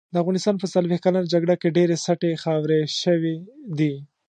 د افغانستان په څلوښت کلنه جګړه کې ډېرې سټې خاورې شوې دي.